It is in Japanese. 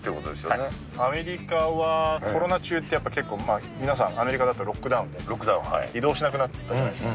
アメリカはコロナ中って結構皆さん、アメリカだとロックダウンで、移動しなくなったじゃないですか。